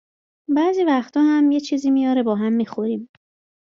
بعضی وقتا هم یه چیزی میاره با هم می خوریم،